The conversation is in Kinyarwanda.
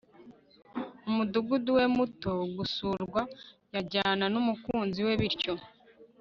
umudugudu we muto gusurwa. yajyana n'umukunzi we bityo